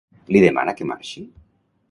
Li demana que marxi?